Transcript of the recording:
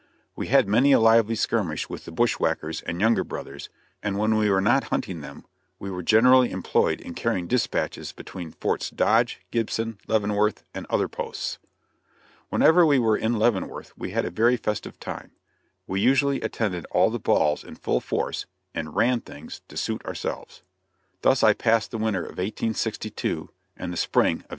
We had many a lively skirmish with the bushwhackers and Younger brothers, and when we were not hunting them, we were generally employed in carrying dispatches between Forts Dodge, Gibson, Leavenworth, and other posts. Whenever we were in Leavenworth we had a very festive time. We usually attended all the balls in full force, and "ran things" to suit ourselves. Thus I passed the winter of 1862 and the spring of 1863.